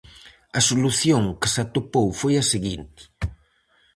A solución que se atopou foi a seguinte.